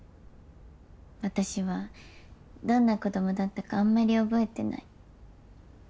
私はどんな子供だったかあんまり覚えてない。